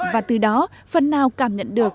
và từ đó phần nào cảm nhận được